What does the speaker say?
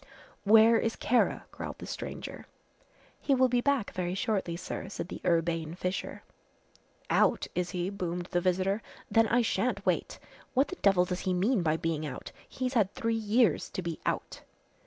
"Where is Kara?" growled the stranger. "He will be back very shortly, sir," said the urbane Fisher. "Out, is he?" boomed the visitor. "Then I shan't wait. What the devil does he mean by being out? He's had three years to be out!"